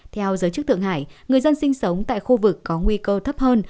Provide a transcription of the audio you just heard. theo giới chức thượng hải người dân sinh sống tại khu vực có nguy cơ thấp hơn